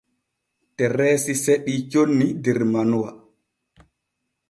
Tereesi seɗii conni der manuwa.